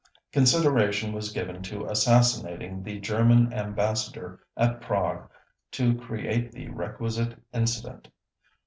Consideration was given to assassinating the German Ambassador at Prague to create the requisite incident.